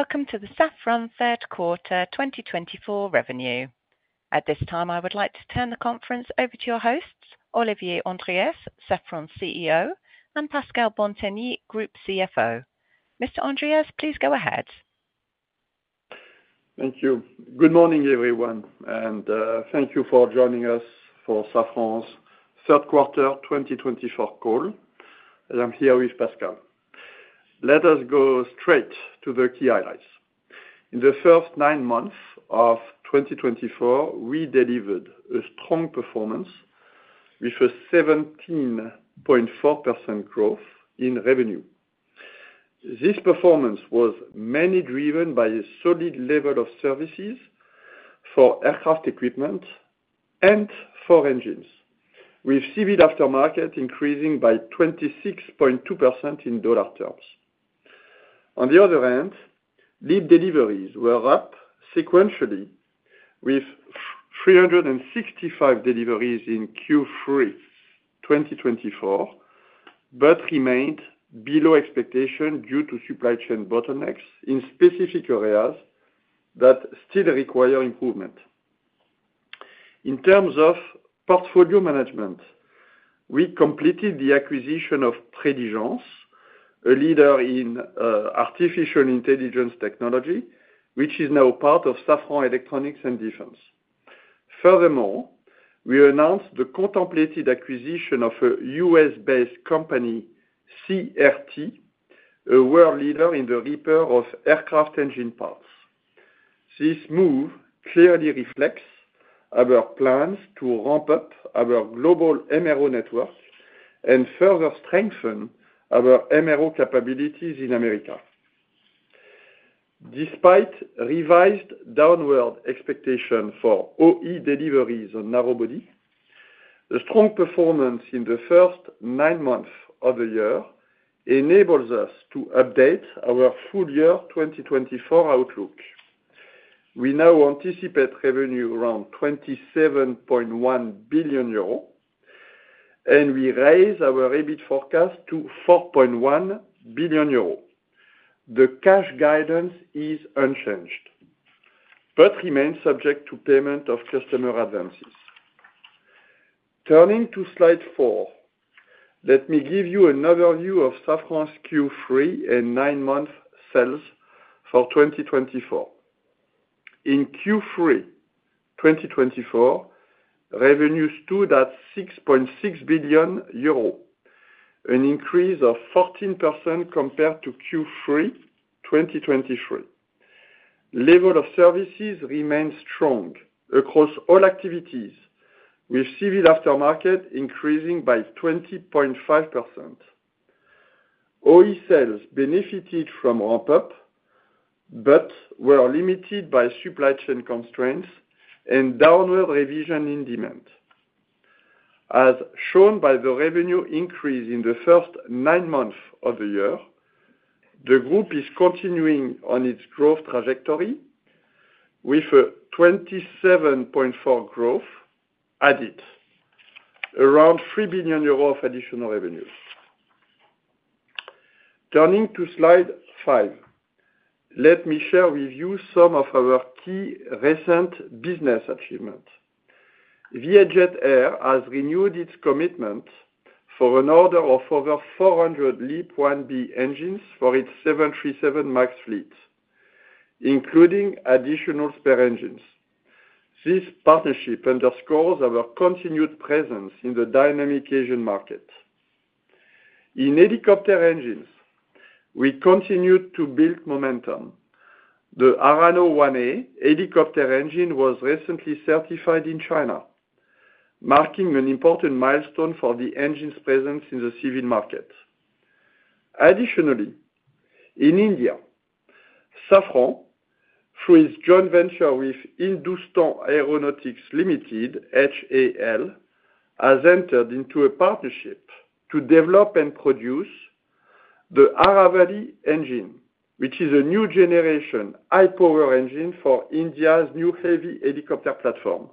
Welcome to the Safran Third Quarter 2024 Revenue. At this time, I would like to turn the conference over to your hosts, Olivier Andriès, Safran CEO, and Pascal Bontenny, Group CFO. Mr. Andriès, please go ahead. Thank you. Good morning, everyone, and thank you for joining us for Safran's third quarter 2024 call. I'm here with Pascal. Let us go straight to the key highlights. In the first nine months of 2024, we delivered a strong performance, with a 17.4% growth in revenue. This performance was mainly driven by a solid level of services for aircraft equipment and for engines, with civil aftermarket increasing by 26.2% in dollar terms. On the other hand, LEAP deliveries were up sequentially, with 365 deliveries in Q3 2024, but remained below expectation due to supply chain bottlenecks in specific areas that still require improvement. In terms of portfolio management, we completed the acquisition of Preligens, a leader in artificial intelligence technology, which is now part of Safran Electronics and Defense. Furthermore, we announced the contemplated acquisition of a U.S.-based company, CRT, a world leader in the repair of aircraft engine parts. This move clearly reflects our plans to ramp up our global MRO network and further strengthen our MRO capabilities in America. Despite revised downward expectation for OE deliveries on narrowbody, the strong performance in the first nine months of the year enables us to update our full-year 2024 outlook. We now anticipate revenue around 27.1 billion euro, and we raise our EBIT forecast to 4.1 billion euro. The cash guidance is unchanged, but remains subject to payment of customer advances. Turning to slide four, let me give you an overview of Safran's Q3 and nine-month sales for 2024. In Q3 2024, revenue stood at 6.6 billion euros, an increase of 14% compared to Q3 2023. Level of services remains strong across all activities, with civil aftermarket increasing by 20.5%. OE sales benefited from ramp-up, but were limited by supply chain constraints and downward revision in demand. As shown by the revenue increase in the first nine months of the year, the group is continuing on its growth trajectory with a 27.4% growth added, around 3 billion euros of additional revenue. Turning to Slide 5, let me share with you some of our key recent business achievements. VietJet Air has renewed its commitment for an order of over 400 LEAP-1B engines for its 737 MAX fleet, including additional spare engines. This partnership underscores our continued presence in the dynamic Asian market. In helicopter engines, we continued to build momentum. The Arrano 1A helicopter engine was recently certified in China, marking an important milestone for the engine's presence in the civil market. Additionally, in India, Safran, through its joint venture with Hindustan Aeronautics Limited, HAL, has entered into a partnership to develop and produce the Aravalli engine, which is a new generation, high-power engine for India's new heavy helicopter platform,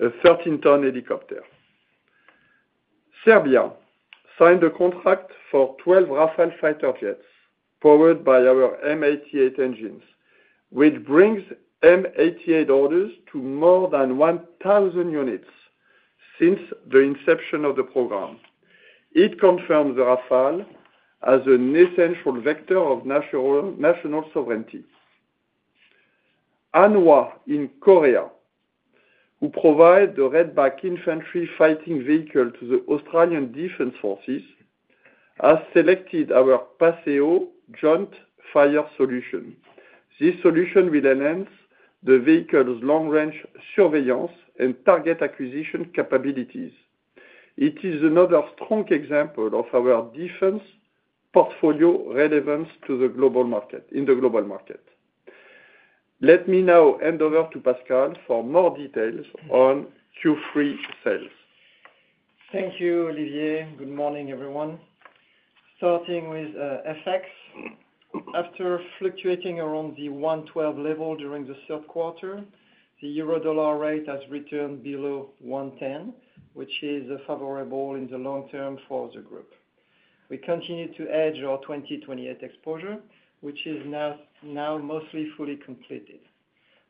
a thirteen-ton helicopter. Serbia signed a contract for twelve Rafale fighter jets, powered by our M88 engines, which brings M88 orders to more than one thousand units since the inception of the program. It confirms the Rafale as an essential vector of national sovereignty. Hanwha in Korea, who provide the Redback infantry fighting vehicle to the Australian Defense Forces, has selected our PASEO joint fire solution. This solution will enhance the vehicle's long-range surveillance and target acquisition capabilities. It is another strong example of our defense portfolio relevance to the global market, in the global market. Let me now hand over to Pascal for more details on Q3 sales. Thank you, Olivier. Good morning, everyone. Starting with FX. After fluctuating around the 1.12 level during the third quarter, the euro-dollar rate has returned below 1.10, which is favorable in the long term for the group. We continue to hedge our 2028 exposure, which is now mostly fully completed.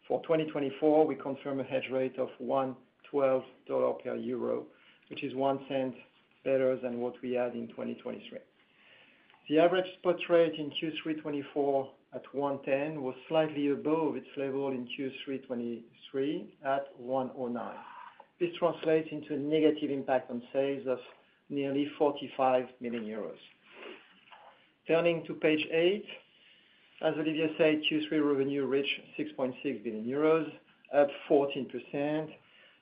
For 2024, we confirm a hedge rate of $1.12 per euro, which is 1 cent better than what we had in 2023. The average spot rate in Q3 2024 at 1.10 was slightly above its level in Q3 2023 at 1.09. This translates into a negative impact on sales of nearly 45 million euros. Turning to page eight, as Olivier said, Q3 revenue reached 6.6 billion euros, up 14%.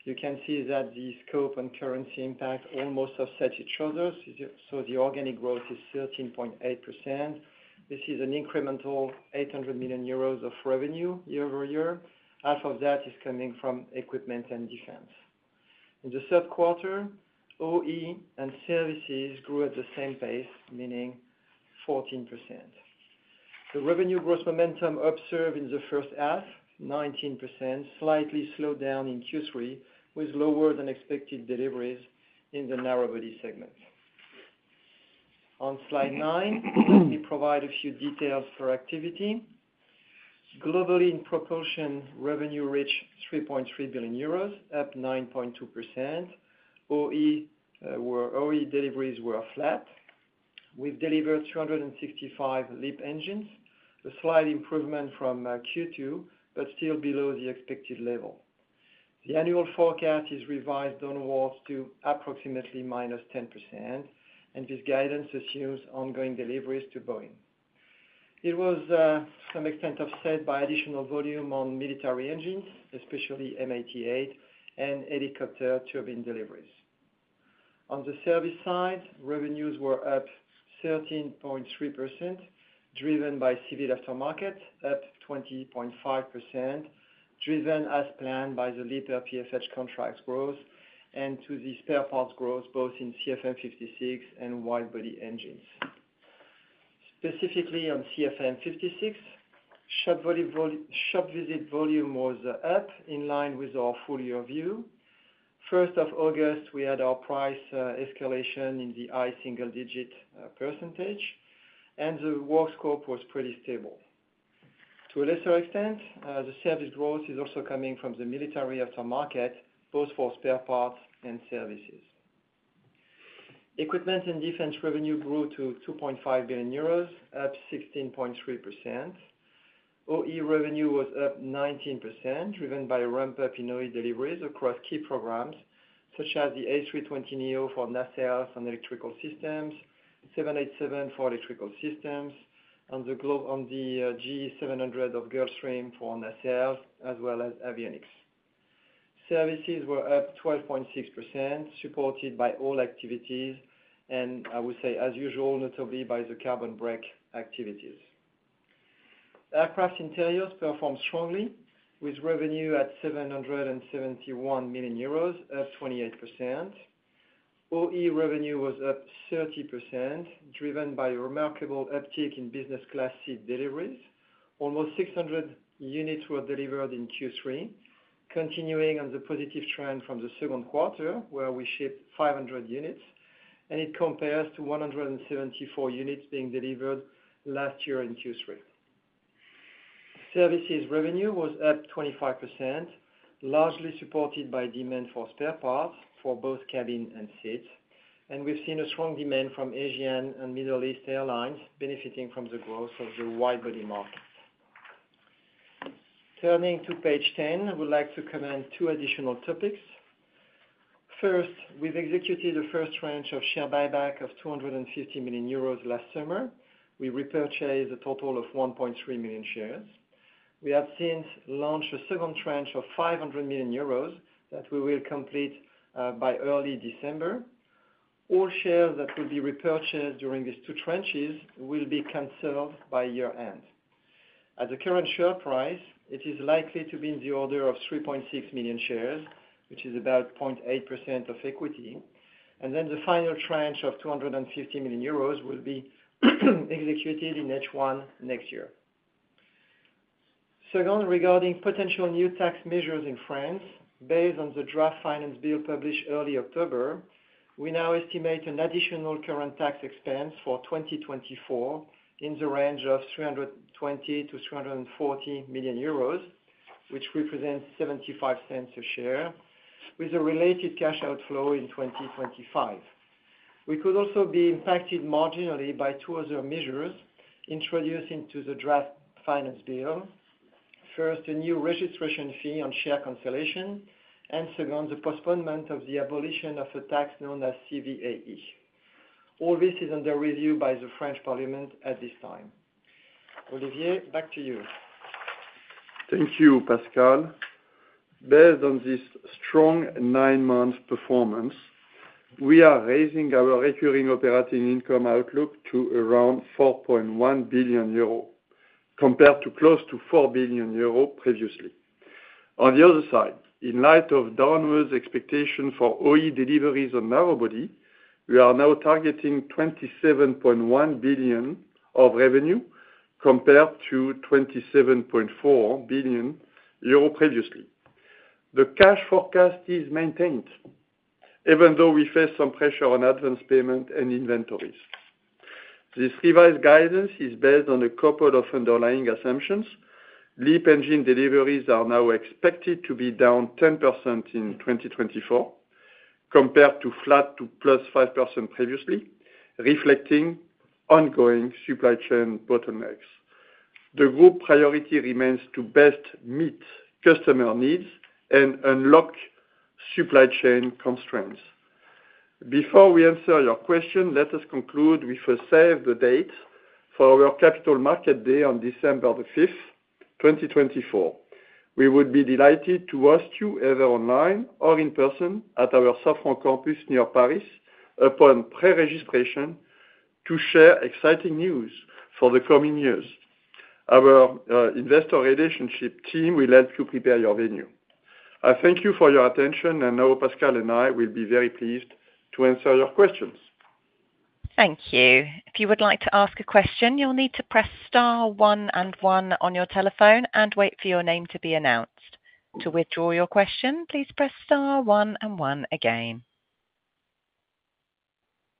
You can see that the scope and currency impact almost offset each other, so the organic growth is 13.8%. This is an incremental 800 million euros of revenue year over year. Half of that is coming from equipment and defense. In the third quarter, OE and services grew at the same pace, meaning 14%. The revenue growth momentum observed in the first half, 19%, slightly slowed down in Q3, with lower than expected deliveries in the narrowbody segment. On slide 9, we provide a few details for activity. Globally, in propulsion, revenue reached 3.3 billion euros, up 9.2%. OE deliveries were flat. We've delivered 265 LEAP engines, a slight improvement from Q2, but still below the expected level. The annual forecast is revised downwards to approximately minus 10%, and this guidance assumes ongoing deliveries to Boeing. It was to some extent offset by additional volume on military engines, especially M88 and helicopter turbine deliveries. On the service side, revenues were up 13.3%, driven by civil aftermarket, up 20.5%, driven as planned by the LEAP PFH contracts growth and to the spare parts growth, both in CFM56 and widebody engines. Specifically on CFM56, shop visit volume was up, in line with our full-year view. First of August, we had our price escalation in the high single-digit %, and the work scope was pretty stable. To a lesser extent, the service growth is also coming from the military aftermarket, both for spare parts and services. Equipment and defense revenue grew to 2.5 billion euros, up 16.3%. OE revenue was up 19%, driven by a ramp up in OE deliveries across key programs, such as the A320neo for nacelles and electrical systems, 787 for electrical systems, and the G700 of Gulfstream for nacelles, as well as avionics. Services were up 12.6%, supported by all activities, and I would say as usual, notably by the carbon brake activities. Aircraft interiors performed strongly, with revenue at 771 million euros, up 28%. OE revenue was up 30%, driven by a remarkable uptick in business class seat deliveries. Almost 600 units were delivered in Q3, continuing on the positive trend from the second quarter, where we shipped 500 units, and it compares to 174 units being delivered last year in Q3. Services revenue was up 25%, largely supported by demand for spare parts for both cabin and seats, and we've seen a strong demand from Asian and Middle East airlines, benefiting from the growth of the widebody markets. Turning to page 10, I would like to comment two additional topics. First, we've executed the first tranche of share buyback of 250 million euros last summer. We repurchased a total of 1.3 million shares. We have since launched a second tranche of 500 million euros that we will complete by early December. All shares that will be repurchased during these two tranches will be canceled by year-end. At the current share price, it is likely to be in the order of 3.6 million shares, which is about 0.8% of equity, and then the final tranche of 250 million euros will be executed in H1 next year. Second, regarding potential new tax measures in France, based on the draft finance bill published early October, we now estimate an additional current tax expense for 2024 in the range of 320 million-340 million euros, which represents €0.75 a share, with a related cash outflow in 2025. We could also be impacted marginally by two other measures introduced into the draft finance bill. First, a new registration fee on share consolidation, and second, the postponement of the abolition of the tax known as CVAE. All this is under review by the French Parliament at this time. Olivier, back to you. Thank you, Pascal. Based on this strong nine-month performance, we are raising our recurring operating income outlook to around 4.1 billion euro, compared to close to 4 billion euro previously. On the other side, in light of downward expectation for OE deliveries on narrowbody, we are now targeting 27.1 billion of revenue, compared to 27.4 billion euro previously. The cash forecast is maintained, even though we face some pressure on advance payment and inventories. This revised guidance is based on a couple of underlying assumptions. LEAP engine deliveries are now expected to be down 10% in 2024, compared to flat to +5% previously, reflecting ongoing supply chain bottlenecks. The group priority remains to best meet customer needs and unlock supply chain constraints. Before we answer your question, let us conclude with a save the date for our Capital Market Day on December the fifth, twenty twenty-four. We would be delighted to host you either online or in person at our Safran campus near Paris, upon pre-registration, to share exciting news for the coming years. Our investor relationship team will help you prepare your venue. I thank you for your attention, and now Pascal and I will be very pleased to answer your questions. Thank you. If you would like to ask a question, you'll need to press star one and one on your telephone and wait for your name to be announced. To withdraw your question, please press star one and one again.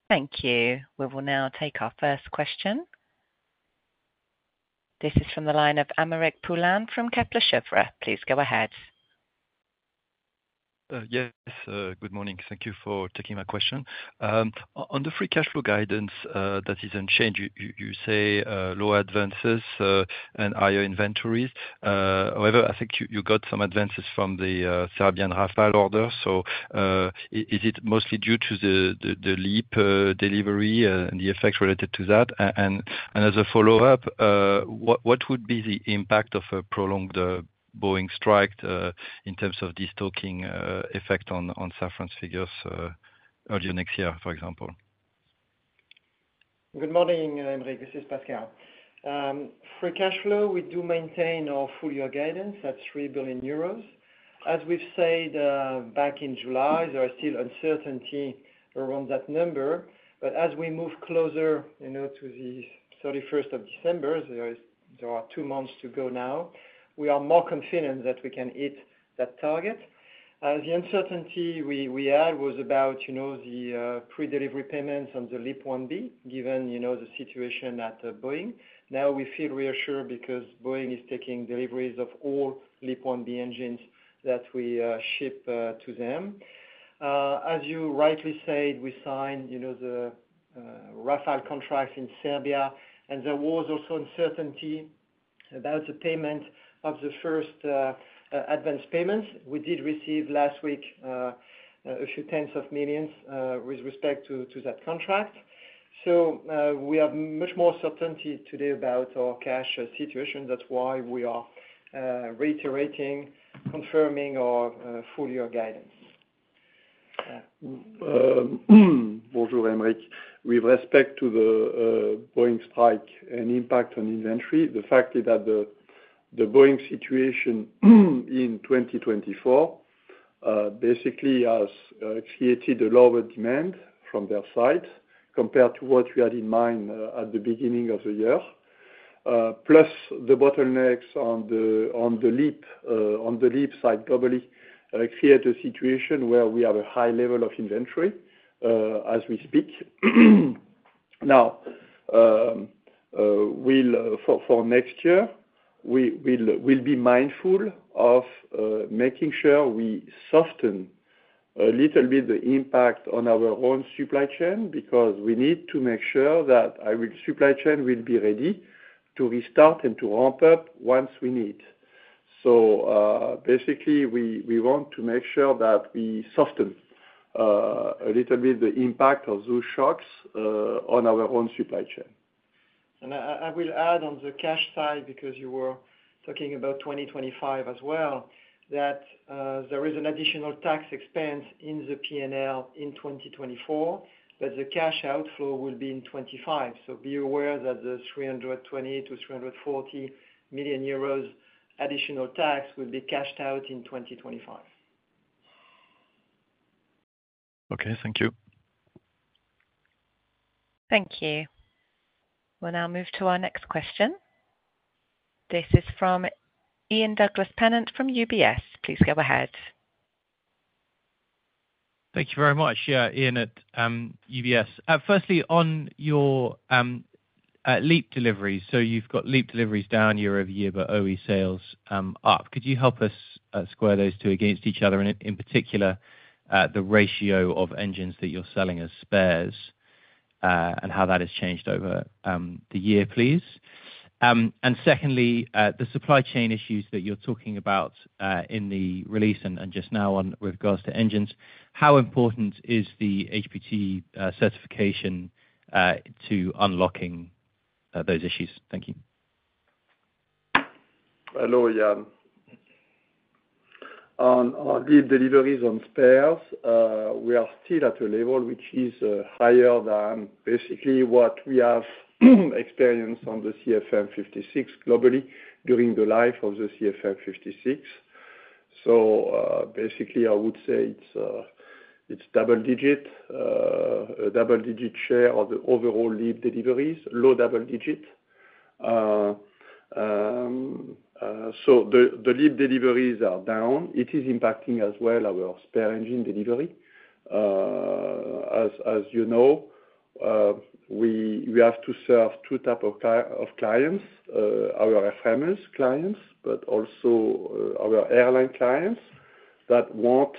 Thank you. We will now take our first question. This is from the line of Aymeric Poulain from Kepler Cheuvreux. Please go ahead. Yes, good morning. Thank you for taking my question. On the free cash flow guidance, that is unchanged, you say, lower advances, and higher inventories. However, I think you got some advances from the Serbian Rafale order. So, is it mostly due to the LEAP delivery, and the effects related to that? And, as a follow-up, what would be the impact of a prolonged Boeing strike, in terms of destocking effect on Safran's figures, early next year, for example? Good morning, Aymeric. This is Pascal. Free cash flow, we do maintain our full year guidance at 3 billion euros. As we've said back in July, there are still uncertainty around that number. But as we move closer, you know, to the thirty-first of December, there are two months to go now, we are more confident that we can hit that target. The uncertainty we had was about, you know, the pre-delivery payments on the LEAP-1B, given, you know, the situation at Boeing. Now, we feel reassured because Boeing is taking deliveries of all LEAP-1B engines that we ship to them. As you rightly said, we signed, you know, the Rafale contract in Serbia, and there was also uncertainty about the payment of the first advanced payments. We did receive last week a few tens of millions with respect to that contract. So we have much more certainty today about our cash situation. That's why we are reiterating confirming our full year guidance. With respect to the Boeing strike and impact on inventory, the fact is that the Boeing situation in twenty twenty-four basically has created a lower demand from their side compared to what we had in mind at the beginning of the year. Plus the bottlenecks on the LEAP, on the LEAP side, globally, like, create a situation where we have a high level of inventory as we speak. Now, we'll for next year, we'll be mindful of making sure we soften a little bit the impact on our own supply chain, because we need to make sure that our supply chain will be ready to restart and to ramp up once we need. Basically, we want to make sure that we soften a little bit the impact of those shocks on our own supply chain. I will add on the cash side, because you were talking about twenty twenty-five as well, that there is an additional tax expense in the P&L in twenty twenty-four, but the cash outflow will be in twenty-five. Be aware that the 320-340 million euros additional tax will be cashed out in twenty twenty-five. Okay, thank you. Thank you. We'll now move to our next question. This is from Ian Douglas-Pennant from UBS. Please go ahead. Thank you very much. Yeah, Ian at UBS. Firstly, on your LEAP deliveries, so you've got LEAP deliveries down year over year, but OE sales up. Could you help us square those two against each other, and in particular the ratio of engines that you're selling as spares and how that has changed over the year, please? And secondly, the supply chain issues that you're talking about in the release and just now on with regards to engines, how important is the HPT certification to unlocking those issues? Thank you. Hello, Ian. On the deliveries on spares, we are still at a level which is higher than basically what we have experienced on the CFM56 globally during the life of the CFM56. So, basically I would say it's double digit, a double digit share of the overall LEAP deliveries, low double digit. So the LEAP deliveries are down. It is impacting as well our spare engine delivery. As you know, we have to serve two types of clients, our lessors clients, but also our airline clients that want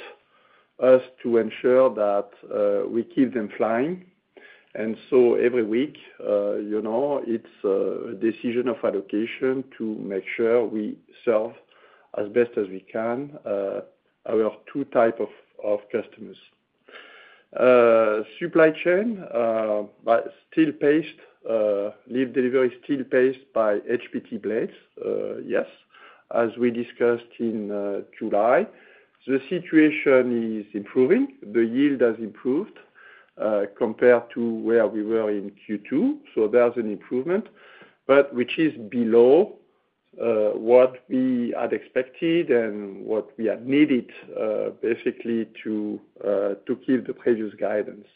us to ensure that we keep them flying. And so every week, you know, it's a decision of allocation to make sure we serve as best as we can our two types of customers. Supply chain, but still paced, LEAP delivery is still paced by HPT blades. Yes, as we discussed in July, the situation is improving. The yield has improved, compared to where we were in Q2, so there's an improvement, but which is below what we had expected and what we had needed, basically to keep the previous guidance.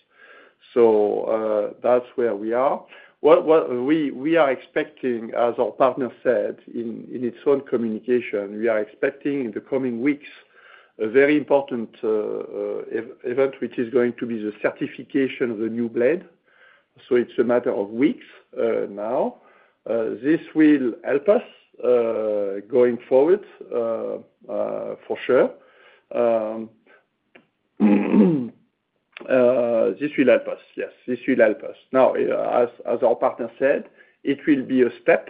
So that's where we are. What we are expecting, as our partner said in its own communication, we are expecting in the coming weeks, a very important event, which is going to be the certification of the new blade. So it's a matter of weeks now. This will help us going forward, for sure. This will help us, yes, this will help us. Now, as our partner said, it will be a step.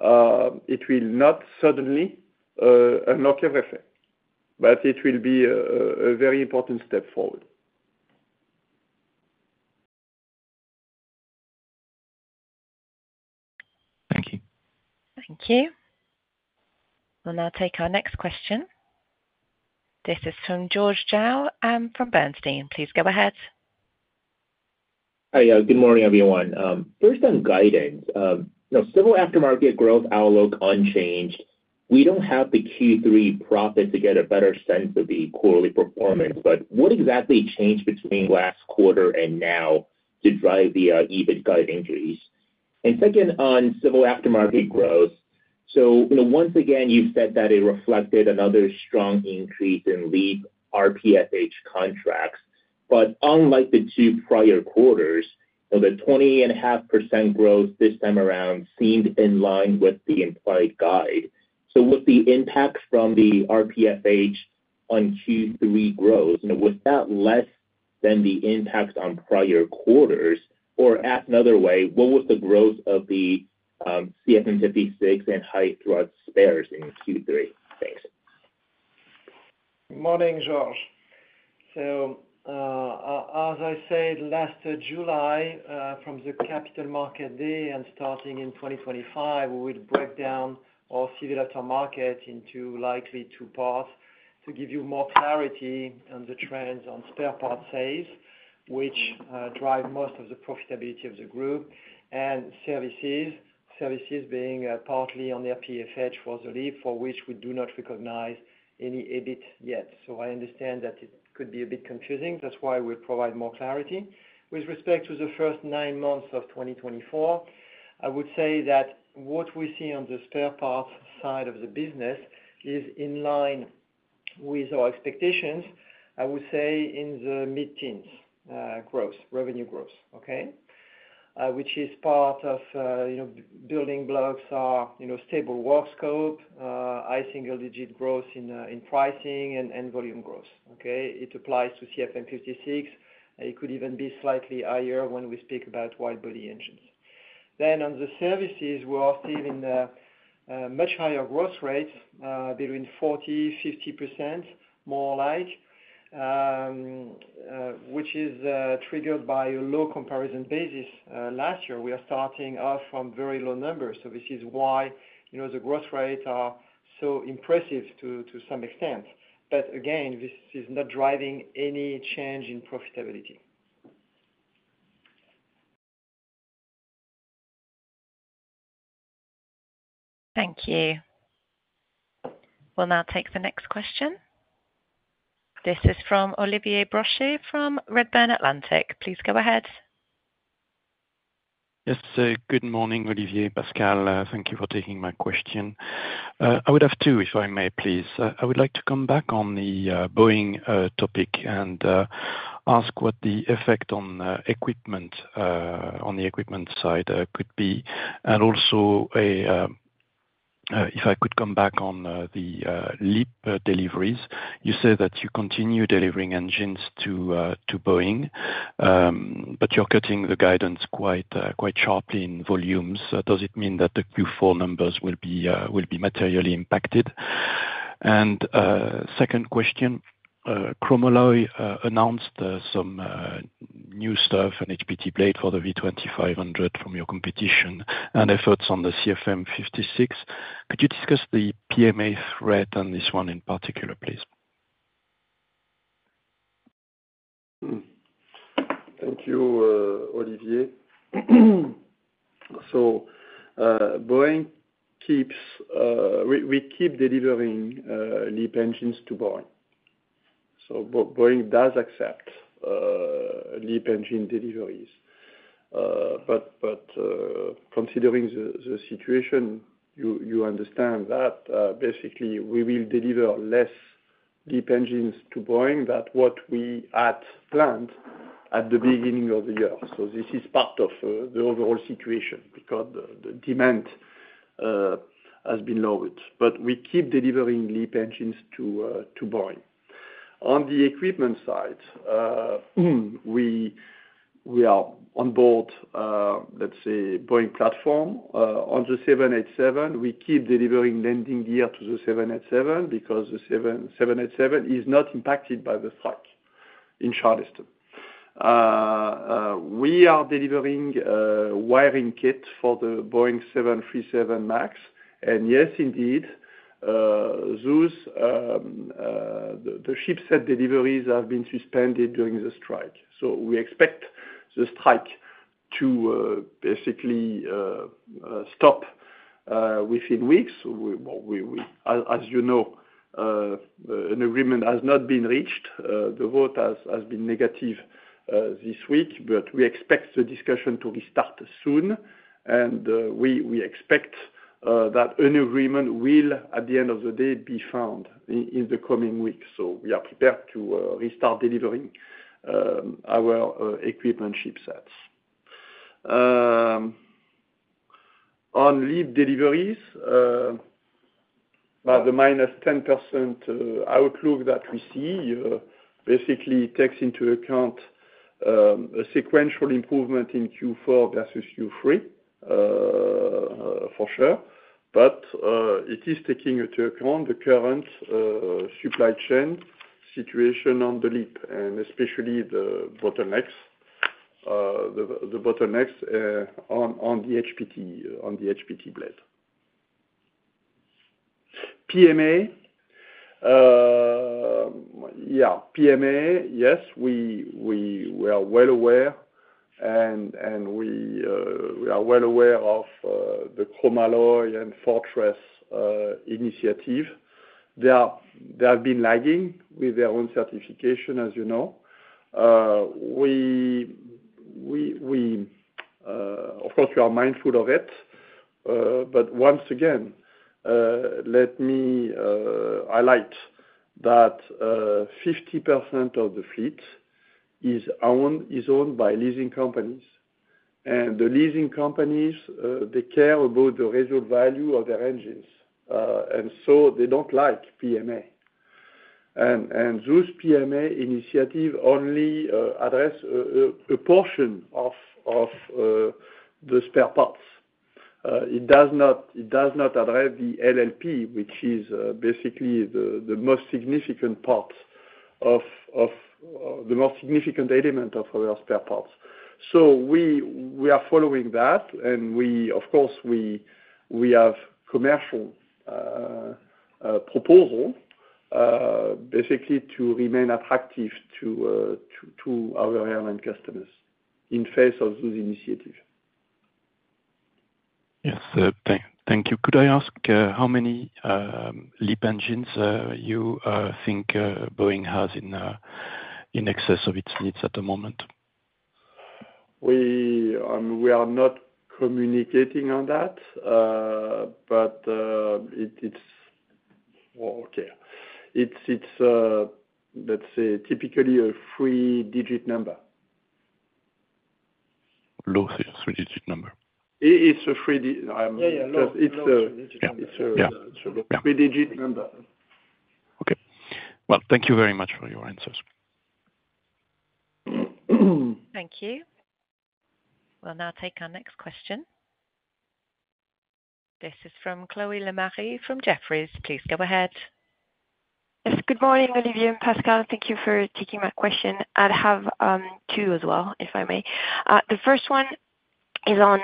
It will not suddenly unlock everything, but it will be a very important step forward. Thank you. Thank you. We'll now take our next question. This is from George Zhao from Bernstein. Please go ahead. Hi, yeah, good morning, everyone. First on guidance, you know, civil aftermarket growth outlook unchanged. We don't have the Q3 profit to get a better sense of the quarterly performance, but what exactly changed between last quarter and now to drive the EBIT guide increase? And second, on civil aftermarket growth, so, you know, once again, you've said that it reflected another strong increase in LEAP RPFH contracts, but unlike the two prior quarters, you know, the 20.5% growth this time around seemed in line with the implied guide, so was the impact from the RPFH on Q3 growth, you know, was that less than the impact on prior quarters? Or asked another way, what was the growth of the CFM56 and high throughput spares in Q3? Thanks. Morning, George. So, as I said, last July, from the capital market day and starting in 2025, we would break down our civil aftermarket into likely two parts to give you more clarity on the trends on spare parts sales, which drive most of the profitability of the group, and services. Services being partly on the RPFH for the LEAP, for which we do not recognize any EBIT yet. So I understand that it could be a bit confusing, that's why we provide more clarity. With respect to the first nine months of 2024, I would say that what we see on the spare parts side of the business is in line with our expectations, I would say in the mid-teens growth, revenue growth, okay? which is part of, you know, building blocks are, you know, stable work scope, high single digit growth in pricing and volume growth, okay? It applies to CFM56, it could even be slightly higher when we speak about wide body engines. Then on the services, we are seeing much higher growth rates, between 40-50%, more like, which is triggered by a low comparison basis. Last year, we are starting off from very low numbers, so this is why, you know, the growth rates are so impressive to some extent. But again, this is not driving any change in profitability. Thank you. We'll now take the next question. This is from Olivier Brochet, from Redburn Atlantic. Please go ahead. Yes, good morning, Olivier, Pascal, thank you for taking my question. I would have two, if I may, please. I would like to come back on the Boeing topic and ask what the effect on equipment, on the equipment side, could be, and also, if I could come back on the LEAP deliveries. You said that you continue delivering engines to Boeing, but you're cutting the guidance quite sharply in volumes. Does it mean that the Q4 numbers will be materially impacted? And second question, Chromalloy announced some new stuff, an HPT blade for the V2500 from your competition and efforts on the CFM56. Could you discuss the PMA threat on this one in particular, please? Thank you, Olivier. We keep delivering LEAP engines to Boeing. Boeing does accept LEAP engine deliveries. But considering the situation, you understand that basically we will deliver less LEAP engines to Boeing than what we had planned at the beginning of the year. So this is part of the overall situation because the demand has been lowered, but we keep delivering LEAP engines to Boeing. On the equipment side, we are on board, let's say Boeing platform, on the 787. We keep delivering landing gear to the 787, because the 787 is not impacted by the strike in Charleston. We are delivering wiring kit for the Boeing 737 MAX, and yes, indeed, those, the ship set deliveries have been suspended during the strike. We expect the strike to basically stop within weeks. We as you know an agreement has not been reached. The vote has been negative this week, but we expect the discussion to restart soon, and we expect that an agreement will at the end of the day be found in the coming weeks. We are prepared to restart delivering our equipment ship sets. On LEAP deliveries, by the -10% outlook that we see basically takes into account a sequential improvement in Q4 versus Q3, for sure. It is taking into account the current supply chain situation on the LEAP, and especially the bottlenecks on the HPT blade. PMA, yes, we are well aware of the Chromalloy and Fortress initiative. They have been lagging with their own certification, as you know. Of course, we are mindful of it, but once again, let me highlight that 50% of the fleet is owned by leasing companies. The leasing companies, they care about the residual value of their engines, and so they don't like PMA. Those PMA initiatives only address a portion of the spare parts. It does not address the LLP, which is basically the most significant part of the most significant element of our spare parts. So we are following that, and we of course have commercial proposal basically to remain attractive to our airline customers in face of those initiatives. Yes, thank you. Could I ask how many LEAP engines you think Boeing has in excess of its needs at the moment? We are not communicating on that, but it's, well, okay. It's, let's say, typically a three-digit number. Low three-digit number? It is a three-digit. Yeah, yeah, low. It's a- Yeah. It's a three-digit number. Okay. Well, thank you very much for your answers. Thank you. We'll now take our next question. This is from Chloé Lemarié, from Jefferies. Please go ahead. Yes, good morning, Olivier and Pascal. Thank you for taking my question. I'd have two as well, if I may. The first one is on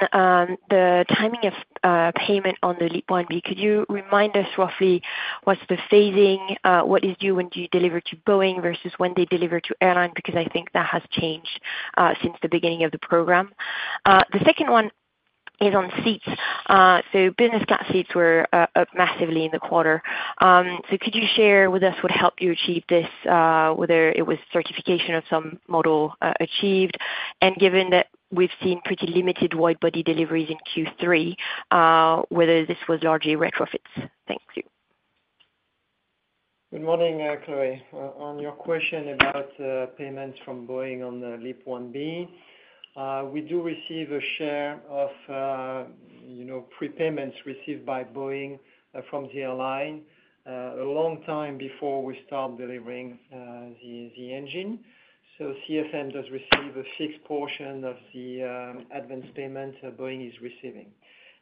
the timing of payment on the LEAP-1B. Could you remind us roughly what's the phasing, what is due when you deliver to Boeing versus when they deliver to airline? Because I think that has changed since the beginning of the program. The second one is on seats. So business class seats were up massively in the quarter. So could you share with us what helped you achieve this? Whether it was certification of some model achieved, and given that we've seen pretty limited widebody deliveries in Q3, whether this was largely retrofits? Thank you. Good morning, Chloe. On your question about payments from Boeing on the LEAP-1B, we do receive a share of, you know, prepayments received by Boeing from the airline a long time before we start delivering the engine. So CFM does receive a fixed portion of the advance payment Boeing is receiving.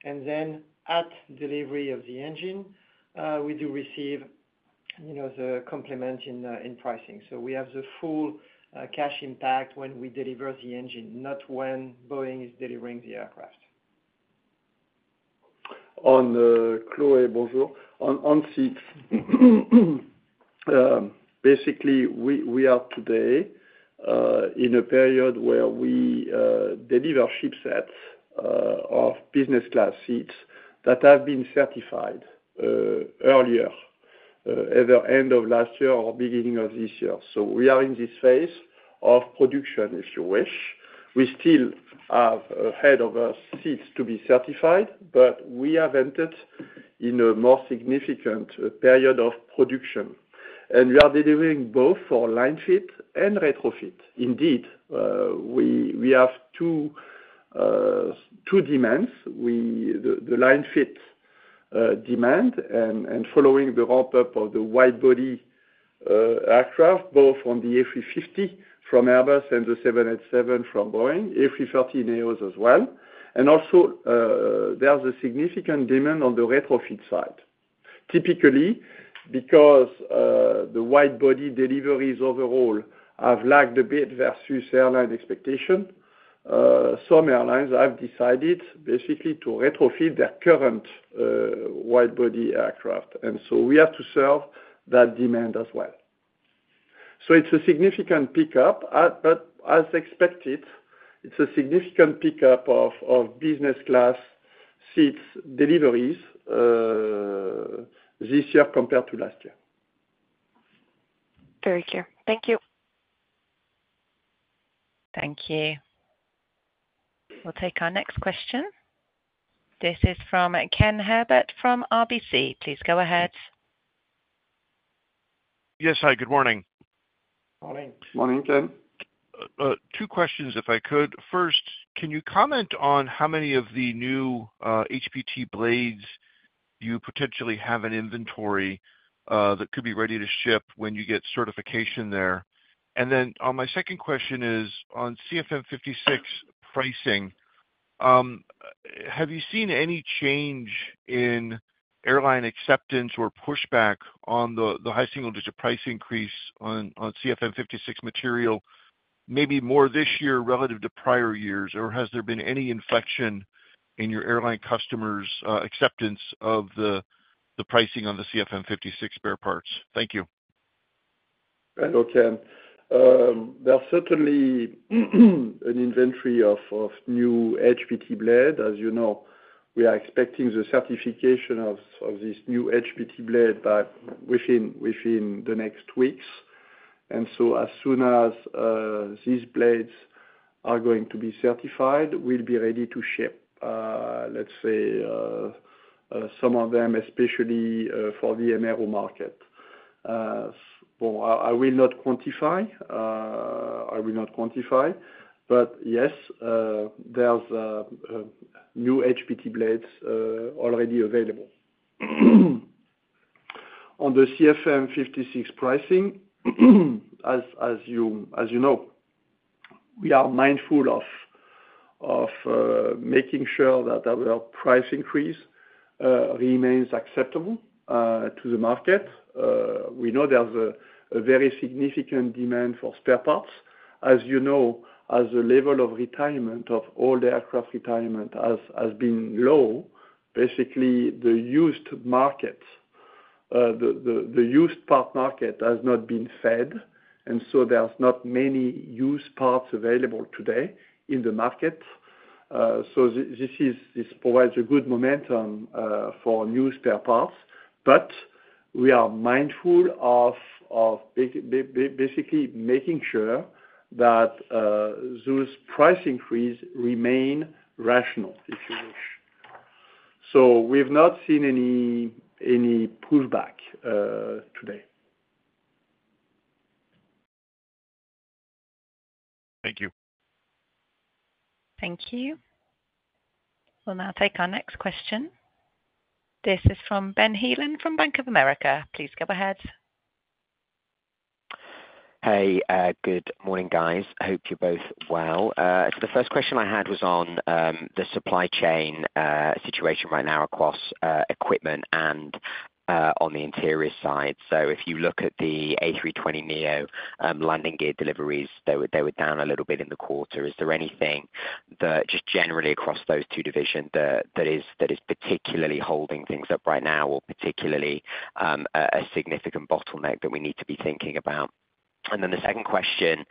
And then at delivery of the engine, we do receive, you know, the complement in pricing. So we have the full cash impact when we deliver the engine, not when Boeing is delivering the aircraft. Bonjour, Chloé. On seats, basically, we are today in a period where we deliver ship sets of business class seats that have been certified earlier at the end of last year or beginning of this year. So we are in this phase of production, if you wish. We still have ahead of us seats to be certified, but we have entered in a more significant period of production, and we are delivering both for line fit and retrofit. Indeed, we have two demands. The line fit demand and following the ramp-up of the widebody aircraft, both on the A350 from Airbus and the 787 from Boeing, A330neos as well. And also, there's a significant demand on the retrofit side. Typically, because the widebody deliveries overall have lagged a bit versus airline expectation, some airlines have decided basically to retrofit their current widebody aircraft, and so we have to serve that demand as well. So it's a significant pickup, but as expected, it's a significant pickup of business class seats deliveries this year compared to last year. Very clear. Thank you. Thank you. We'll take our next question. This is from Ken Herbert from RBC. Please go ahead. Yes. Hi, good morning. Morning. Morning, Ken. Two questions, if I could. First, can you comment on how many of the new HPT blades you potentially have in inventory that could be ready to ship when you get certification there? And then on my second question is, on CFM56 pricing, have you seen any change in airline acceptance or pushback on the high single digit price increase on CFM56 material, maybe more this year relative to prior years? Or has there been any inflection in your airline customers' acceptance of the pricing on the CFM56 spare parts? Thank you. Hello, Ken. There are certainly an inventory of new HPT blade. As you know, we are expecting the certification of this new HPT blade, but within the next weeks. And so as soon as these blades are going to be certified, we'll be ready to ship, let's say, some of them, especially for the MRO market. So I will not quantify, but yes, there's new HPT blades already available. On the CFM56 pricing, as you know, we are mindful of making sure that our price increase remains acceptable to the market. We know there's a very significant demand for spare parts. As you know, as the level of retirement of all the aircraft retirement has been low. Basically the used markets, the used parts market has not been fed, and so there's not many used parts available today in the market. So this provides a good momentum for new spare parts, but we are mindful of basically making sure that those price increase remain rational, if you wish. So we've not seen any pullback today. Thank you. Thank you. We'll now take our next question. This is from Ben Heelan from Bank of America. Please go ahead. Hey, good morning, guys. Hope you're both well. So the first question I had was on the supply chain situation right now across equipment and on the interior side. So if you look at the A320neo, landing gear deliveries, they were down a little bit in the quarter. Is there anything that just generally across those two divisions, that is particularly holding things up right now, or particularly a significant bottleneck that we need to be thinking about? And then the second question,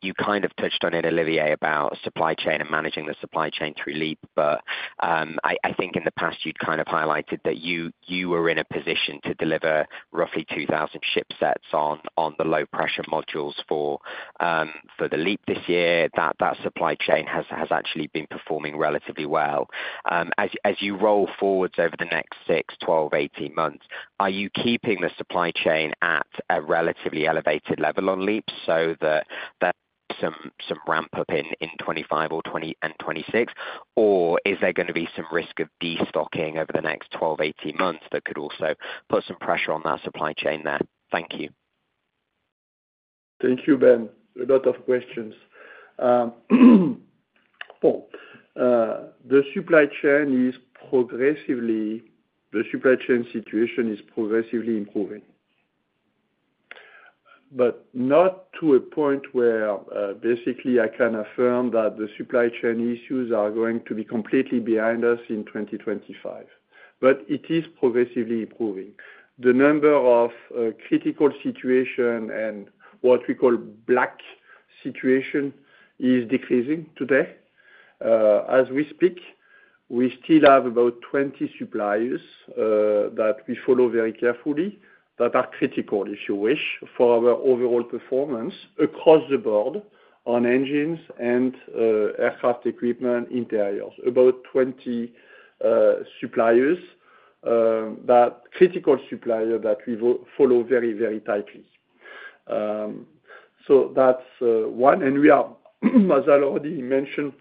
you kind of touched on it, Olivier, about supply chain and managing the supply chain through LEAP. I think in the past you'd kind of highlighted that you were in a position to deliver roughly two thousand ship sets on the low pressure modules for the LEAP this year. That supply chain has actually been performing relatively well. As you roll forwards over the next six, twelve, eighteen months, are you keeping the supply chain at a relatively elevated level on LEAP so that some ramp up in 2025 or 2026? Or is there gonna be some risk of destocking over the next twelve, eighteen months that could also put some pressure on that supply chain there? Thank you. Thank you, Ben. A lot of questions. The supply chain situation is progressively improving. But not to a point where basically I can affirm that the supply chain issues are going to be completely behind us in twenty twenty-five, but it is progressively improving. The number of critical situations and what we call black points situations is decreasing today. As we speak, we still have about 20 suppliers that we follow very carefully, that are critical, if you wish, for our overall performance across the board on engines and aircraft equipment interiors. About 20 suppliers that critical supplier that we follow very, very tightly. So that's one, and we are, as Alain already mentioned,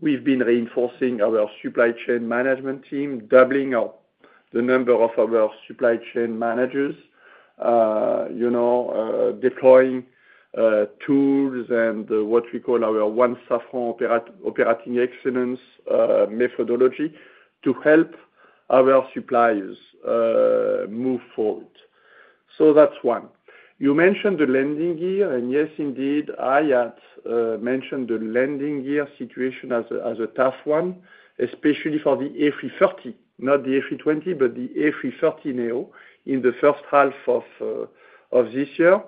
we've been reinforcing our supply chain management team, doubling our the number of our supply chain managers. You know, deploying tools and what we call our One Safran Operating Excellence methodology, to help our suppliers move forward. So that's one. You mentioned the landing gear, and yes, indeed, I had mentioned the landing gear situation as a tough one, especially for the A330, not the A320, but the A330neo in the first half of this year.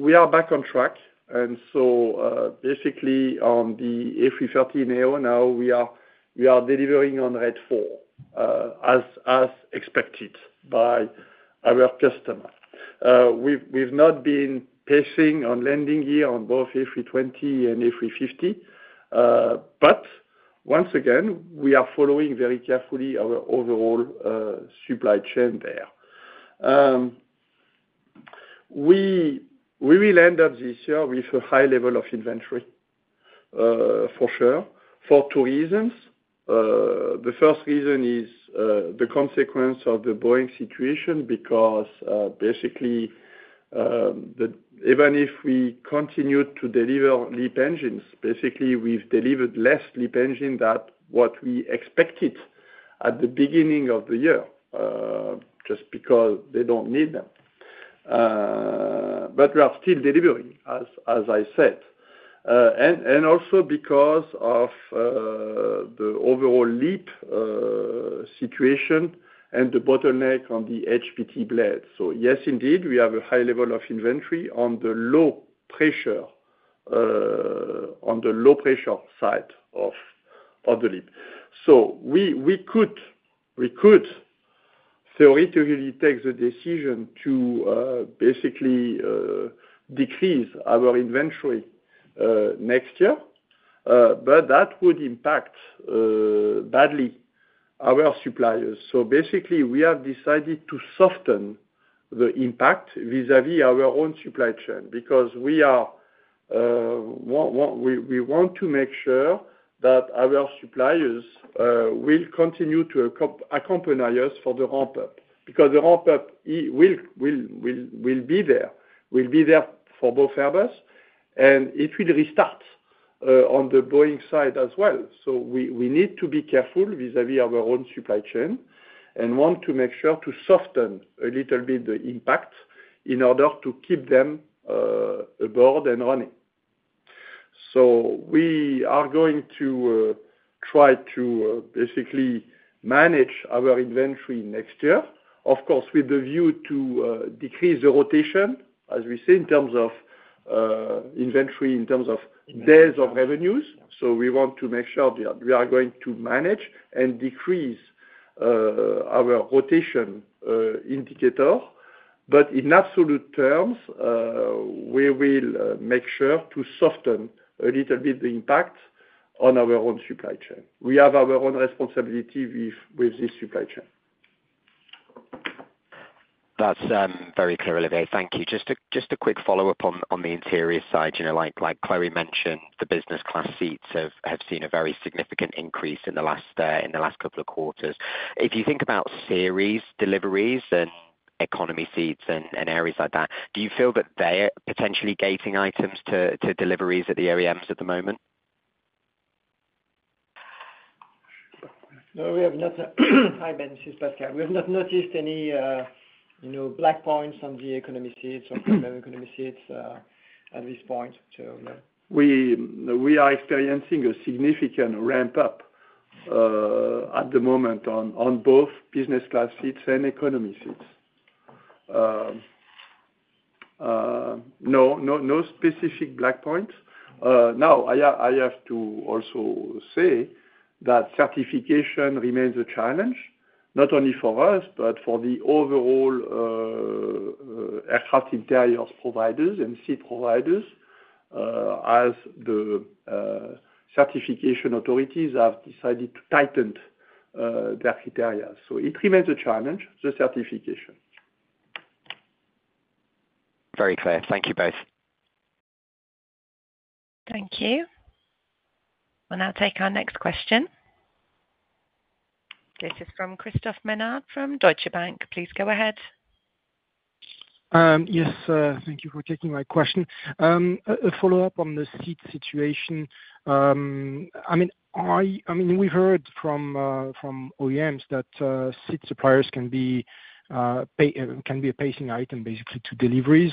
We are back on track, and so basically on the A330neo now we are delivering on rate four as expected by our customer. We've not been pacing on landing gear on both A320 and A350, but once again, we are following very carefully our overall supply chain there. We will end up this year with a high level of inventory, for sure, for two reasons. The first reason is the consequence of the Boeing situation, because basically, even if we continued to deliver LEAP engines, basically we've delivered less LEAP engine than what we expected at the beginning of the year, just because they don't need them, but we are still delivering, as I said, and also because of the overall LEAP situation and the bottleneck on the HPT blade, so yes, indeed, we have a high level of inventory on the low pressure side of the LEAP, so we could theoretically take the decision to basically decrease our inventory next year, but that would impact badly our suppliers. So basically we have decided to soften the impact vis-a-vis our own supply chain, because we want to make sure that our suppliers will continue to accompany us for the ramp up, because the ramp up will be there for both Airbus, and it will restart on the Boeing side as well. So we need to be careful vis-a-vis our own supply chain, and want to make sure to soften a little bit the impact in order to keep them aboard and running. So we are going to try to basically manage our inventory next year, of course, with the view to decrease the rotation, as we say, in terms of inventory, in terms of days of revenues. So we want to make sure that we are going to manage and decrease our rotation indicator. But in absolute terms, we will make sure to soften a little bit the impact on our own supply chain. We have our own responsibility with this supply chain. That's very clear, Olivier, thank you. Just a quick follow-up on the interior side. You know, like Chloé mentioned, the business class seats have seen a very significant increase in the last couple of quarters. If you think about series deliveries and economy seats and areas like that, do you feel that they are potentially gating items to deliveries at the OEMs at the moment? No, we have not. Hi, Ben, this is Pascal. We have not noticed any, you know, Black points on the economy seats on economy seats, at this point, so yeah. We are experiencing a significant ramp up at the moment on both business class seats and economy seats. No specific black points. Now, I have to also say that certification remains a challenge, not only for us, but for the overall aircraft interiors providers and seat providers, as the certification authorities have decided to tighten the criteria. So it remains a challenge, the certification. Very clear. Thank you both. Thank you. We'll now take our next question. This is from Christophe Menard from Deutsche Bank. Please go ahead. Yes, thank you for taking my question. A follow-up on the seat situation. I mean, we heard from OEMs that seat suppliers can be a pacing item, basically, to deliveries.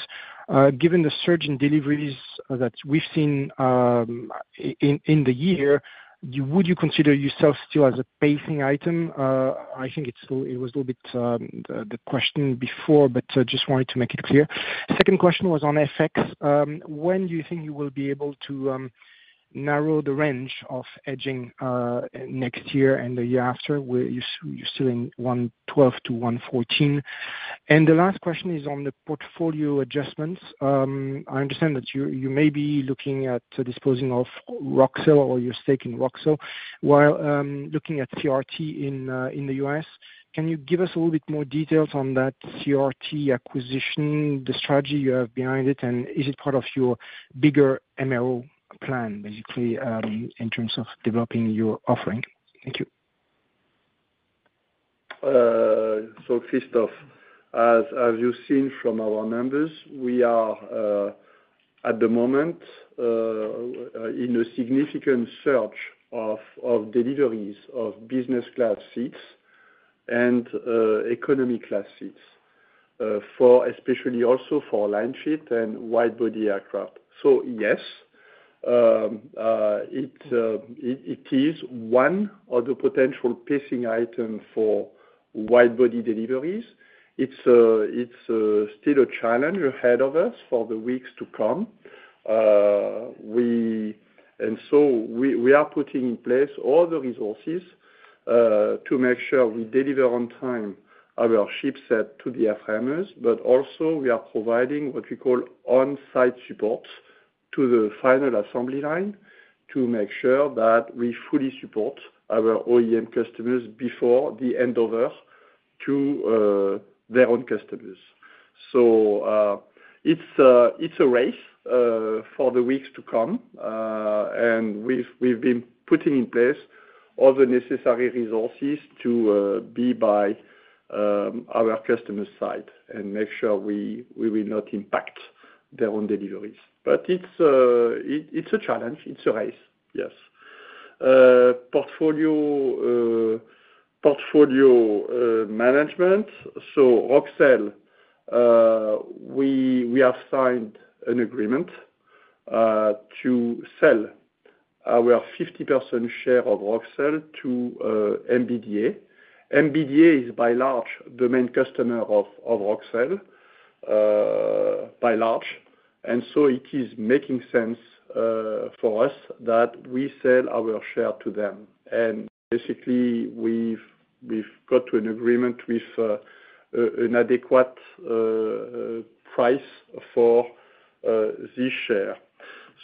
Given the surge in deliveries that we've seen in the year, would you consider yourself still as a pacing item? I think it's still. It was a little bit the question before, but just wanted to make it clear. Second question was on FX. When do you think you will be able to narrow the range of hedging next year and the year after, where you're still in one twelve to one fourteen? And the last question is on the portfolio adjustments. I understand that you may be looking at disposing of Roxel or your stake in Roxel, while looking at CRT in the US. Can you give us a little bit more details on that CRT acquisition, the strategy you have behind it, and is it part of your bigger MRO plan, basically, in terms of developing your offering? Thank you. So, Christophe, as you've seen from our numbers, we are at the moment in a significant shortage of deliveries of business class seats and economy class seats, for especially for line fit and widebody aircraft. Yes, it is one of the potential pacing item for widebody deliveries. It's still a challenge ahead of us for the weeks to come. And so we are putting in place all the resources to make sure we deliver on time our ship set to the airframers, but also we are providing what we call on-site support to the final assembly line, to make sure that we fully support our OEM customers before the handover to their own customers. So, it's a race for the weeks to come, and we've been putting in place all the necessary resources to be by our customers' side, and make sure we will not impact their own deliveries. But it's a challenge, it's a race, yes. Portfolio management, so Roxel, we have signed an agreement to sell our 50% share of Roxel to MBDA. MBDA is by far the main customer of Roxel, by far. And so it is making sense for us that we sell our share to them. And basically, we've got to an agreement with an adequate price for this share.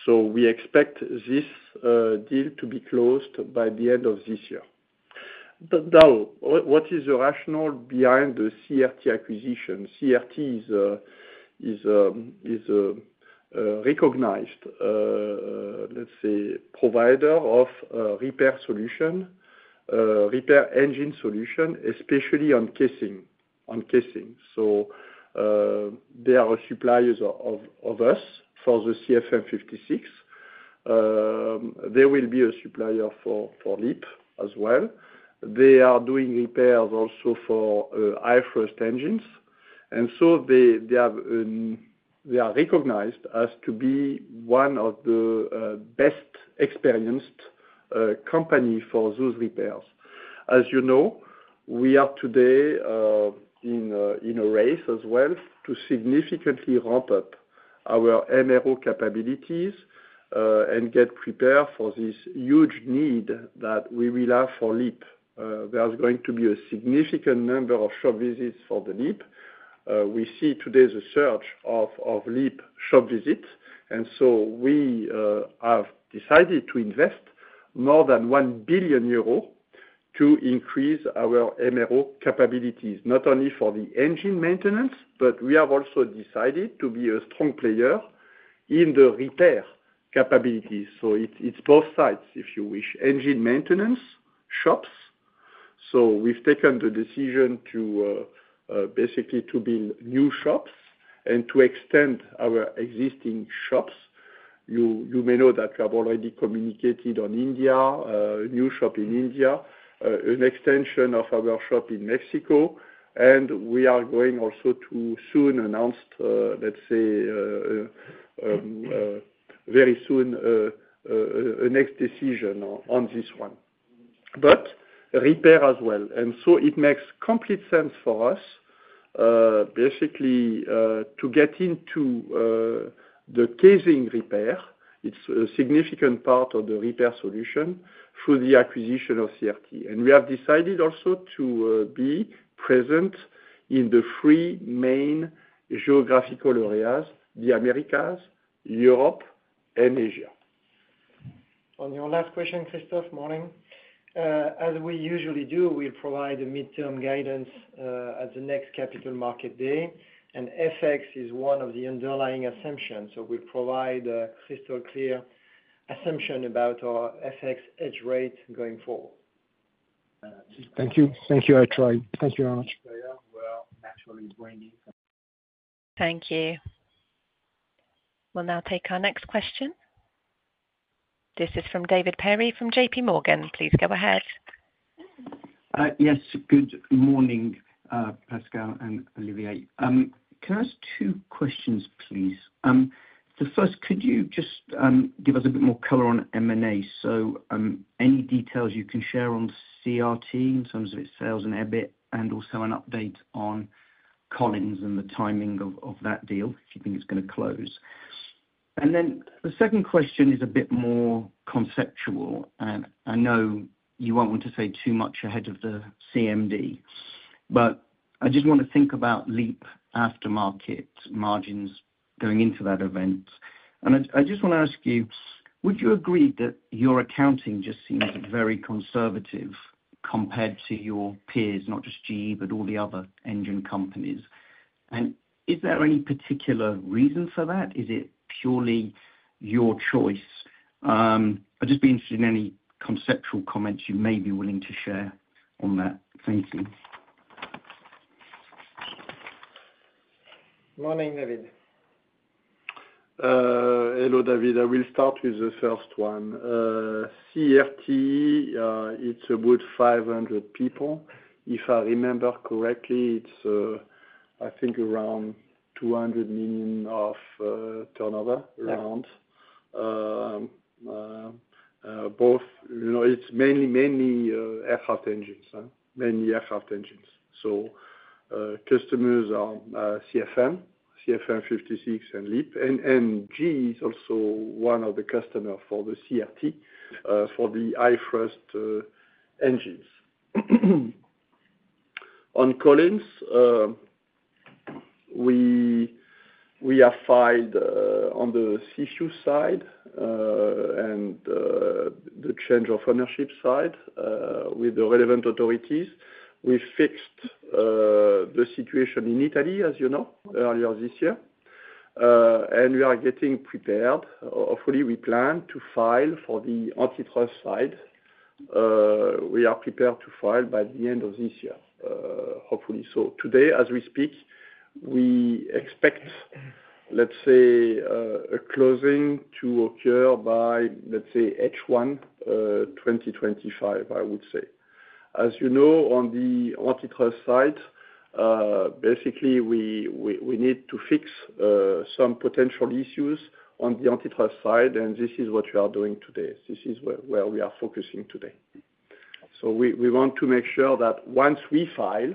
So we expect this deal to be closed by the end of this year. But now, what is the rationale behind the CRT acquisition? CRT is recognized, let's say, provider of repair solution, repair engine solution, especially on casing. So, they are suppliers to us for the CFM56. They will be a supplier for LEAP as well. They are doing repairs also for other engines, and so they are recognized as to be one of the best experienced company for those repairs. As you know, we are today in a race as well to significantly ramp up our MRO capabilities, and get prepared for this huge need that we will have for LEAP. There is going to be a significant number of shop visits for the LEAP. We see today the surge of LEAP shop visits, and so we have decided to invest more than 1 billion euro to increase our MRO capabilities. Not only for the engine maintenance, but we have also decided to be a strong player in the repair capabilities. So it's both sides, if you wish. Engine maintenance shops, so we've taken the decision to basically to build new shops and to extend our existing shops. You may know that I've already communicated on India, new shop in India, an extension of our shop in Mexico, and we are going also to soon announce, let's say, very soon, a next decision on this one. But repair as well, and so it makes complete sense for us, basically, to get into the casing repair. It's a significant part of the repair solution through the acquisition of CRT. And we have decided also to be present in the three main geographical areas, the Americas, Europe, and Asia. On your last question, Christophe. Morning. As we usually do, we provide a midterm guidance at the next Capital Markets Day, and FX is one of the underlying assumptions. So we provide a crystal clear assumption about our FX hedge rate going forward. Thank you. Thank you, I try. Thank you very much. Well, actually bringing- Thank you. We'll now take our next question. This is from David Perry, from JP Morgan. Please go ahead. Yes, good morning, Pascal and Olivier. Can I ask two questions, please? So first, could you just give us a bit more color on M&A? So, any details you can share on CRT in terms of its sales and EBIT, and also an update on, Collins and the timing of that deal, if you think it's gonna close? And then the second question is a bit more conceptual, and I know you won't want to say too much ahead of the CMD, but I just want to think about LEAP aftermarket margins going into that event. And I just wanna ask you, would you agree that your accounting just seems very conservative compared to your peers, not just GE, but all the other engine companies? And is there any particular reason for that? Is it purely your choice? I'd just be interested in any conceptual comments you may be willing to share on that. Thank you. Morning, David. Hello, David. I will start with the first one. CRT, it's about 500 people. If I remember correctly, it's, I think around 200 million of turnover- Yeah Around both, you know, it's mainly aircraft engines, huh? Mainly aircraft engines. So customers are CFM, CFM56, and LEAP. And GE is also one of the customer for the CRT, for the iThrust engines. On Collins, we have filed on the issue side, and the change of ownership side, with the relevant authorities. We fixed the situation in Italy, as you know, earlier this year, and we are getting prepared. Hopefully, we plan to file for the antitrust side. We are prepared to file by the end of this year, hopefully. Today as we speak, we expect, let's say, a closing to occur by, let's say, H1 2025, I would say. As you know, on the antitrust side, basically we need to fix some potential issues on the antitrust side, and this is what we are doing today. This is where we are focusing today. We want to make sure that once we file,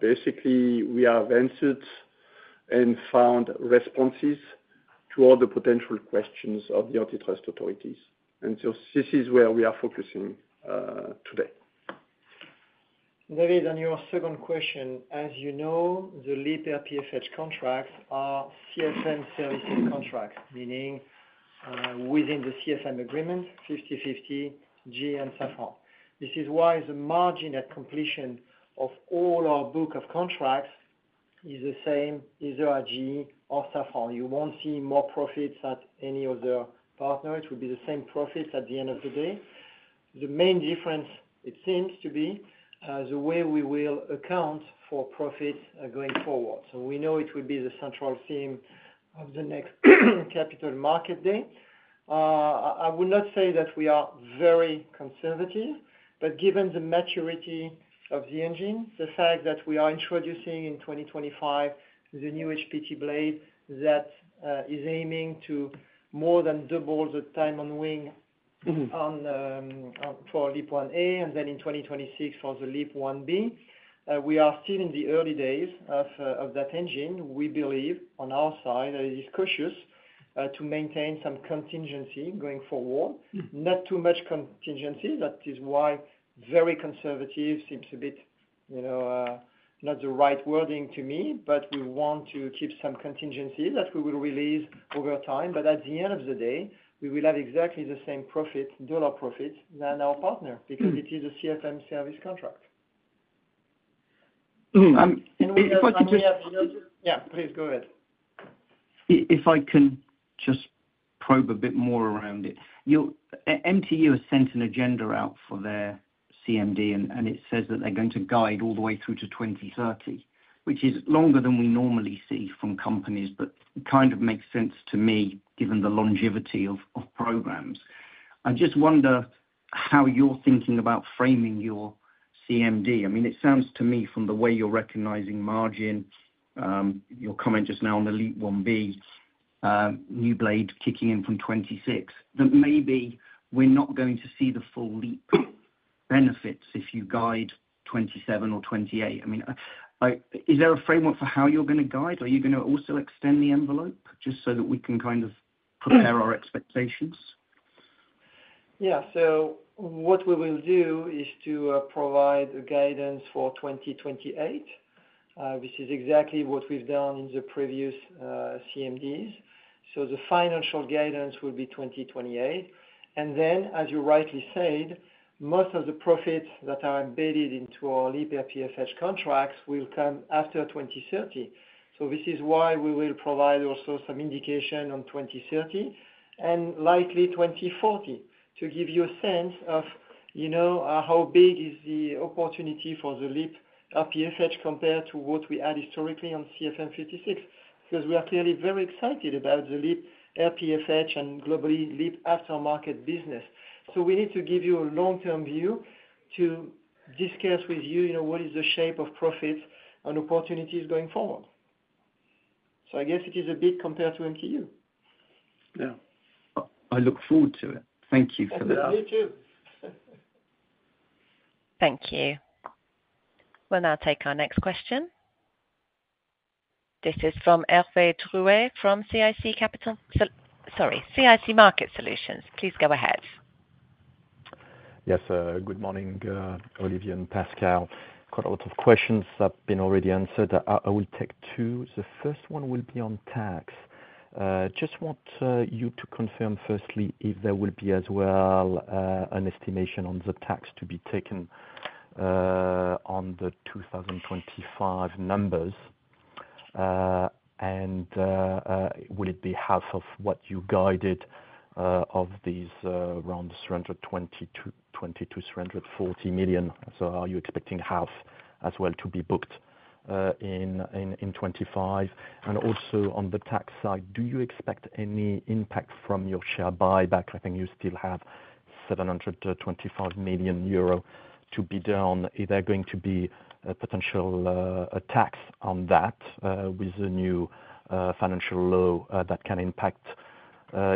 basically we have answered and found responses to all the potential questions of the antitrust authorities, and so this is where we are focusing today. David, on your second question, as you know, the LEAP RPFH contracts are CSM services contracts, meaning, within the CSM agreement, 50/50, GE and Safran. This is why the margin at completion of all our book of contracts is the same, either at GE or Safran. You won't see more profits at any other partner. It will be the same profits at the end of the day. The main difference, it seems to be, the way we will account for profits, going forward. So we know it will be the central theme of the next capital market day. I would not say that we are very conservative, but given the maturity of the engine, the fact that we are introducing in 2025, the new HPT blade that is aiming to more than double the time on wing on for LEAP-1A, and then in 2026 for the LEAP-1B. We are still in the early days of that engine. We believe on our side that it is cautious to maintain some contingency going forward. Not too much contingency. That is why very conservative seems a bit, you know, not the right wording to me, but we want to keep some contingency that we will release over time. But at the end of the day, we will have exactly the same profit, dollar profit, than our partner because it is a CFM service contract. If I could just- Yeah, please go ahead. If I can just probe a bit more around it. MTU has sent an agenda out for their CMD and it says that they're going to guide all the way through to 2030, which is longer than we normally see from companies, but kind of makes sense to me, given the longevity of programs. I just wonder how you're thinking about framing your CMD. I mean, it sounds to me from the way you're recognizing margin, your comment just now on the LEAP-1B, new blade kicking in from 2026, that maybe we're not going to see the full LEAP benefits if you guide 2027 or 2028. I mean, is there a framework for how you're gonna guide? Are you gonna also extend the envelope, just so that we can kind of prepare our expectations? Yeah. So what we will do is to provide a guidance for 2028, which is exactly what we've done in the previous CMDs. So the financial guidance will be 2028. And then, as you rightly said, most of the profits that are embedded into our LEAP PFS contracts will come after 2030. So this is why we will provide also some indication on 2030 and likely 2040, to give you a sense of, you know, how big is the opportunity for the LEAP PFS compared to what we had historically on CFM56. Because we are clearly very excited about the LEAP PFS and globally LEAP aftermarket business. So we need to give you a long-term view to discuss with you, you know, what is the shape of profits and opportunities going forward? I guess it is a bit compared to MTU. Yeah. I look forward to it. Thank you for that. Me too. Thank you. We'll now take our next question. This is from Hervé Drouet from CIC Capital. Sorry, CIC Market Solutions, please go ahead. Yes, good morning, Olivier and Pascal. Quite a lot of questions have been already answered. I will take two. The first one will be on tax. Just want you to confirm firstly if there will be as well an estimation on the tax to be taken on the 2025 numbers, and will it be half of what you guided of these around 320-340 million EUR? So are you expecting half as well to be booked in 2025? And also, on the tax side, do you expect any impact from your share buyback? I think you still have 725 million euro to be done. Is there going to be a potential tax on that with the new financial law that can impact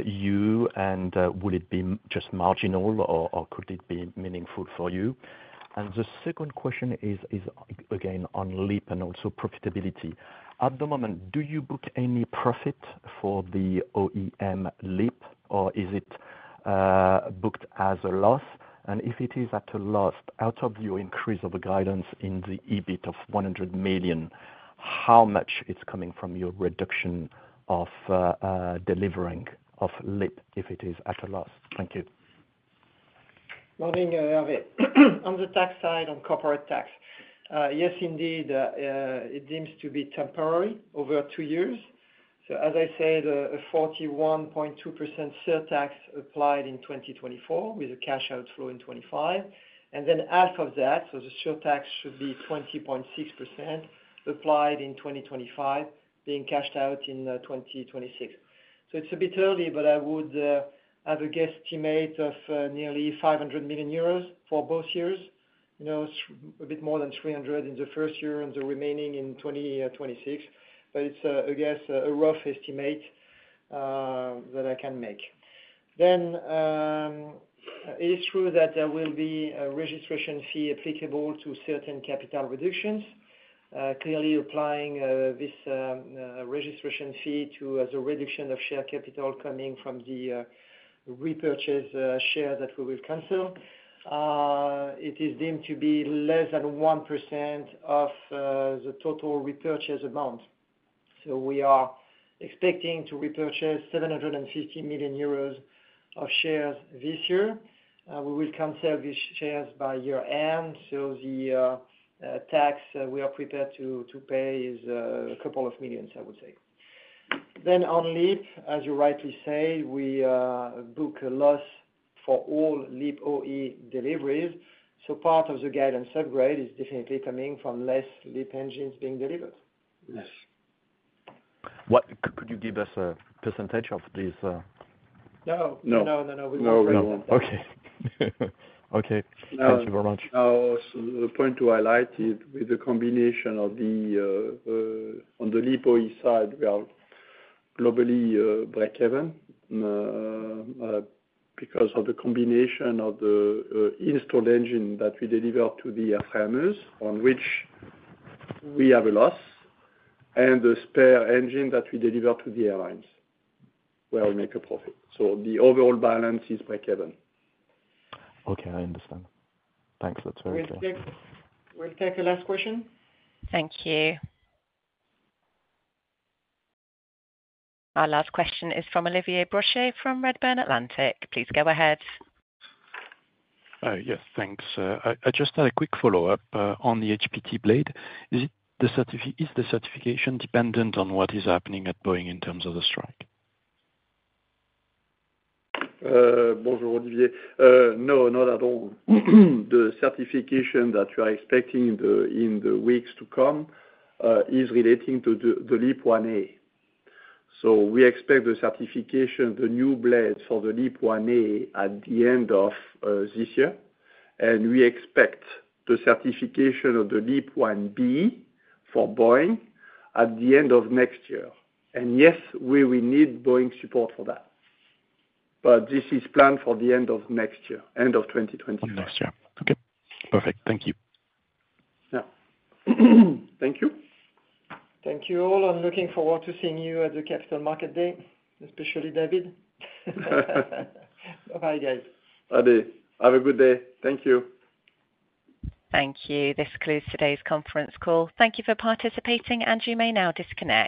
you? And would it be just marginal or could it be meaningful for you? And the second question is again on LEAP and also profitability. At the moment, do you book any profit for the OEM LEAP, or is it booked as a loss? And if it is at a loss, out of your increase of the guidance in the EBIT of 100 million, how much is coming from your reduction of delivering of LEAP, if it is at a loss? Thank you. Morning, Hervé. On the tax side, on corporate tax, yes, indeed, it seems to be temporary over two years. So as I said, a 41.2% surtax applied in 2024, with a cash outflow in 2025. And then half of that, so the surtax should be 20.6% applied in 2025, being cashed out in 2026. So it's a bit early, but I would have a guesstimate of nearly 500 million euros for both years. You know, a bit more than 300 in the first year and the remaining in 2026. But it's, I guess, a rough estimate that I can make. Then, it is true that there will be a registration fee applicable to certain capital reductions. Clearly applying this registration fee to the reduction of share capital coming from the repurchase share that we will cancel. It is deemed to be less than 1% of the total repurchase amount. So we are expecting to repurchase 750 million euros of shares this year. We will conserve these shares by year end, so the tax we are prepared to pay is a couple of millions, I would say. Then on LEAP, as you rightly say, we book a loss for all LEAP OE deliveries, so part of the guidance upgrade is definitely coming from less LEAP engines being delivered. Yes. What could you give us a percentage of this? No. No. No, no, no, we won't. Okay. Okay. Thank you very much. Now, so the point to highlight is with the combination of, on the LEAP OE side, we are globally breakeven because of the combination of the installed engine that we deliver to the airframers, on which we have a loss, and the spare engine that we deliver to the airlines, where we make a profit. So the overall balance is breakeven. Okay, I understand. Thanks. That's very clear. We'll take the last question. Thank you. Our last question is from Olivier Brochet, from Redburn Atlantic. Please go ahead. Yes, thanks. I just had a quick follow-up on the HPT blade. Is the certification dependent on what is happening at Boeing in terms of the strike? Bonjour, Olivier. No, not at all. The certification that we are expecting in the weeks to come is relating to the LEAP-1A. So we expect the certification, the new blades for the LEAP-1A, at the end of this year, and we expect the certification of the LEAP-1B for Boeing at the end of next year. And yes, we will need Boeing support for that, but this is planned for the end of next year, end of 2025. Next year. Okay, perfect. Thank you. Yeah. Thank you. Thank you all. I'm looking forward to seeing you at the Capital Market Day, especially David. Bye-bye, guys. Bye. Have a good day. Thank you. Thank you. This concludes today's conference call. Thank you for participating, and you may now disconnect.